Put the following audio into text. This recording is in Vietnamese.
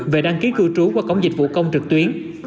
về đăng ký cư trú qua cổng dịch vụ công trực tuyến